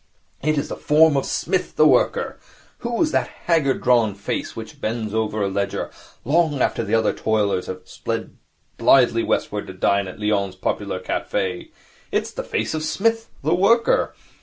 It is the form of Psmith, the Worker. Whose is that haggard, drawn face which bends over a ledger long after the other toilers have sped blithely westwards to dine at Lyons' Popular Cafe? It is the face of Psmith, the Worker.'